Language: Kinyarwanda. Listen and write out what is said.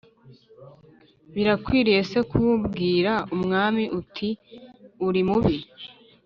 Birakwiriye se kubwira umwami uti Uri mubi